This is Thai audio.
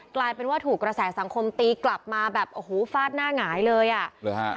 กลายเป็นว่าถูกกระแสสังคมตีกลับมาแบบโอ้โหฟาดหน้าหงายเลยอ่ะหรือฮะ